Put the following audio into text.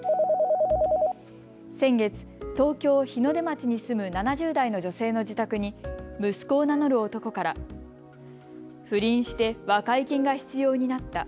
先月、東京日の出町に住む７０代の女性の自宅に息子を名乗る男から不倫して和解金が必要になった。